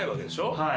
はい。